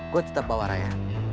gue tetap bawa raya